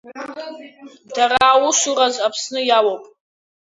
Дара аусураз Аԥсны иалоуп.